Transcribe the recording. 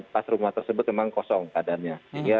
pas rumah tersebut memang kosong keadaannya